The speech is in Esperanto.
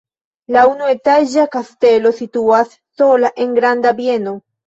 La unuetaĝa kastelo situas sola en granda bieno.